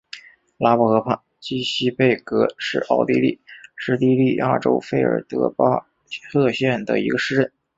拉布河畔基希贝格是奥地利施蒂利亚州费尔德巴赫县的一个市镇。